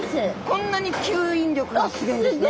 こんなに吸引力がすギョいんですね。